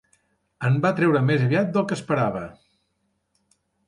En va treure més aviat del que esperava.